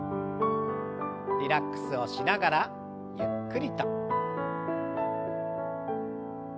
リラックスをしながらゆっくりと。